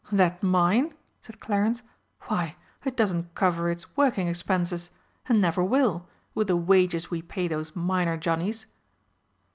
"That mine?" said Clarence. "Why, it doesn't cover its working expenses and never will, with the wages we pay those miner johnnies!"